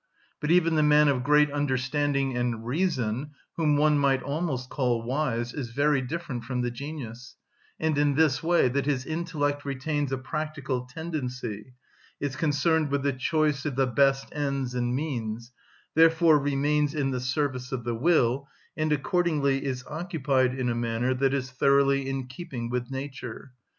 But even the man of great understanding and reason, whom one might almost call wise, is very different from the genius, and in this way, that his intellect retains a practical tendency, is concerned with the choice of the best ends and means, therefore remains in the service of the will, and accordingly is occupied in a manner that is thoroughly in keeping with nature.